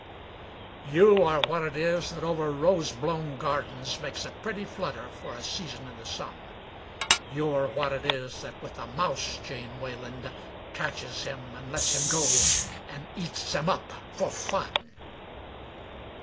"— "You are what it is that over rose blown gardens Makes a pretty flutter for a season in the sun; You are what it is that with a mouse, Jane Wayland, Catches him and lets him go and eats him up for fun."